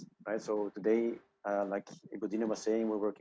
jadi hari ini seperti yang ibo dino katakan kami bekerja dari rumah